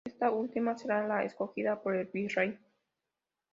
Esta última será la escogida por el virrey.